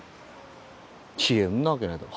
いやんなわけないだろ。